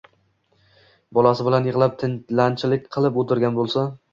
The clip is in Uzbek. bolasi bilan yig‘lab tilanchilik qilib o‘tirgan bo‘lsa